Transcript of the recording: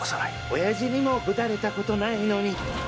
おやじにもぶたれたことないのに！